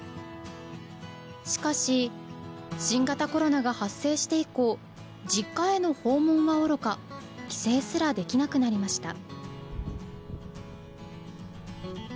しかし新型コロナが発生して以降実家への訪問はおろか帰省すらできなくなりました。